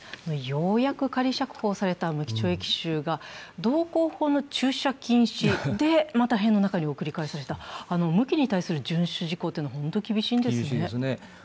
ようやく仮釈放された無期懲役囚が道交法の駐車禁止で、また兵の中に送り返された、無期に対する遵守事項というのは本当に厳しいんですね。